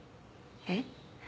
えっ？